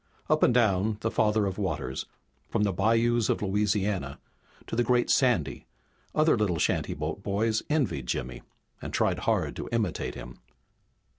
Up and down the Father of Waters, from the bayous of Louisiana to the Great Sandy other little shantyboat boys envied Jimmy and tried hard to imitate him.